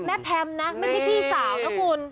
แทมนะไม่ใช่พี่สาวนะคุณ